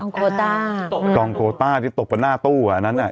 โคต้ากองโคต้าที่ตบกันหน้าตู้อันนั้นอ่ะ